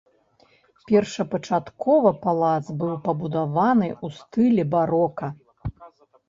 Першапачаткова палац быў пабудаваны ў стылі барока.